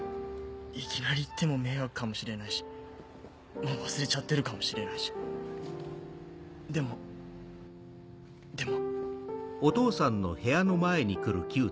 いきなり行っても迷惑かもしれないしもう忘れちゃってるかもしれないしでもでも。